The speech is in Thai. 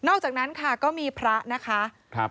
อกจากนั้นค่ะก็มีพระนะคะ